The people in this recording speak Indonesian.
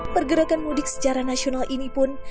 pergerakan mudik secara nasional ini pun